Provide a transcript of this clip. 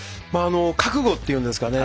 覚悟っていうんですかね。